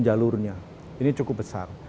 jalurnya ini cukup besar